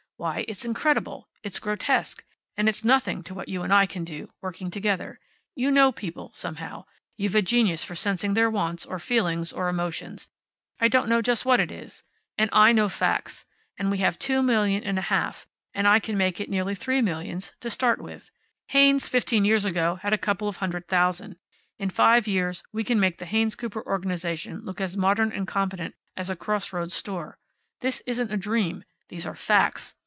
Why, it's incredible. It's grotesque. And it's nothing to what you and I can do, working together. You know people, somehow. You've a genius for sensing their wants, or feelings, or emotions I don't know just what it is. And I know facts. And we have two million and a half I can make it nearly three millions to start with. Haynes, fifteen years ago, had a couple of hundred thousand. In five years we can make the Haynes Cooper organization look as modern and competent as a cross roads store. This isn't a dream. These are facts.